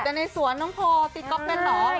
ปกติอยู่ในสวนน้องโภตีก๊อบกันเหรอ